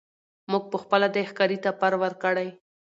موږ پخپله دی ښکاري ته پر ورکړی